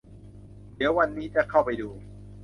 เดี๋ยววันนี้จะเข้าไปดู